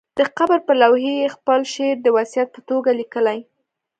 د قبر پر لوحې یې خپل شعر د وصیت په توګه لیکلی.